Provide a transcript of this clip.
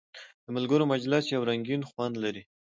د ملګرو مجلس یو رنګین خوند لري.